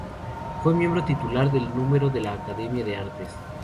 Fue miembro titular y de número de la Academia de Artes.